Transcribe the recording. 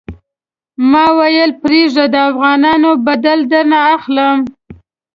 ما ویل پرېږده د افغانانو بدل درنه واخلم.